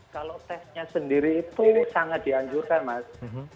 kalau tesnya sendiri itu sangat dianjurkan mas